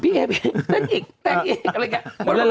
พี่เอ๊เต้นอีกเต้นอีกแหละแก๊